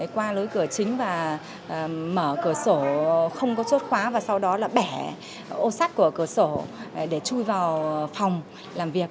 qua lối cửa chính và mở cửa sổ không có chốt khóa và sau đó là bẻ ô sắt của cửa sổ để chui vào phòng làm việc